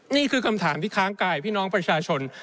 นี่คือคำถามที่ค้างกายพี่น้องประชาชน